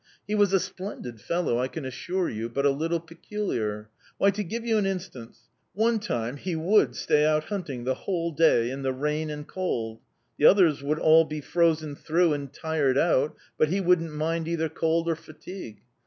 He was a splendid fellow, I can assure you, but a little peculiar. Why, to give you an instance, one time he would stay out hunting the whole day, in the rain and cold; the others would all be frozen through and tired out, but he wouldn't mind either cold or fatigue.